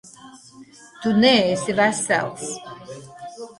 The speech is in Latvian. Tu neesi vesels.